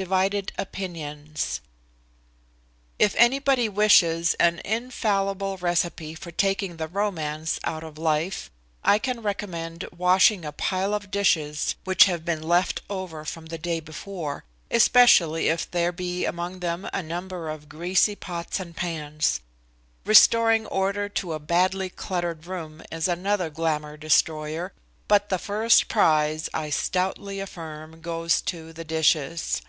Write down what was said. IV DIVIDED OPINIONS If anybody wishes an infallible recipe for taking the romance out of life, I can recommend washing a pile of dishes which have been left over from the day before, especially if there be among them a number of greasy pots and pans. Restoring order to a badly cluttered room is another glamour destroyer, but the first prize, I stoutly affirm, goes to the dishes.